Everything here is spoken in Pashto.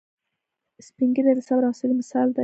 سپین ږیری د صبر او حوصلې مثال دی